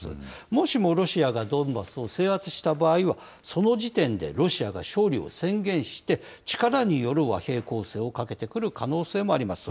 もしもロシアがドンバスを制圧した場合は、その時点でロシアが勝利を宣言して、力による和平攻勢をかけてくる可能性もあります。